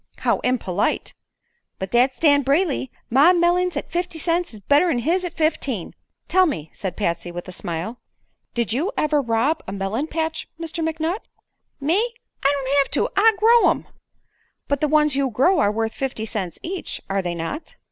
"How impolite." "But that's Dan Brayley. My mellings at fifty cents is better 'n his'n at fifteen." "Tell me," said Patsy, with a smile, "did you ever rob a melon patch, Mr. McNutt?" "Me? I don't hev to. I grow 'em." "But the ones you grow are worth fifty cents each, are they not?"